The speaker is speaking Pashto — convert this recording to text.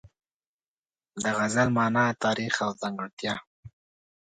د غزل مانا، تاریخ او ځانګړتیا